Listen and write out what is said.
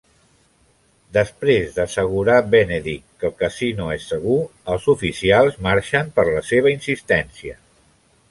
Després d'assegurar Benedict que el casino és segur, els oficials marxen per la seva insistència.